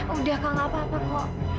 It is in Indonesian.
udah kak nggak apa apa pa